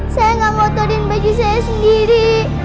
saya gak ngotorin baju saya sendiri